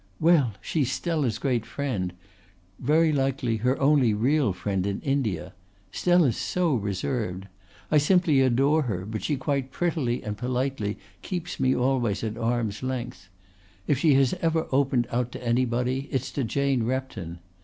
"Well, she's Stella's great friend very likely her only real friend in India. Stella's so reserved. I simply adore her, but she quite prettily and politely keeps me always at arm's length. If she has ever opened out to anybody it's to Jane Repton.